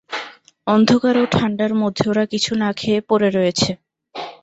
অন্ধকার ও ঠান্ডার মধ্যে ওরা কিছু না খেয়ে পড়ে রয়েছে।